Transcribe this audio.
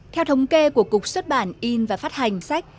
theo thống kê của cục xuất bản in và phát hành sách